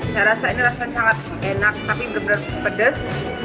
saya rasa ini rasanya sangat enak tapi benar benar pedas